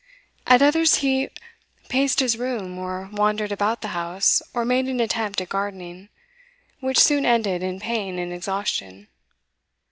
At others he paced his room, or wandered about the house, or made an attempt at gardening which soon ended in pain and exhaustion.